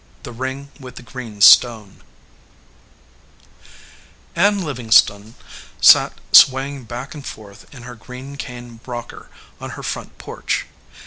THE RING WITH THE GREEN STONE ANN LIVINGSTONE sat swaying back and forth in her green cane rocker on her front porch.